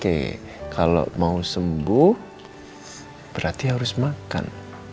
oke kalau mau sembuh berarti harus makan